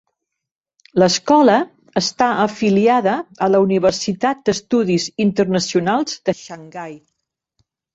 L'escola està afiliada a la Universitat d'Estudis Internacionals de Xangai.